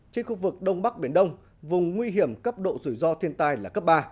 trên khu vực đông bắc biển đông vùng nguy hiểm cấp độ rủi ro thiên tai là cấp ba